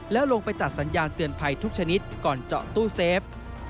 แล้วลงไปตัดสัญญาณเตือนภัยทุกชนิดก่อนเจาะตู้เซฟ